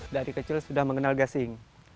dari kecil sudah mengenal gasing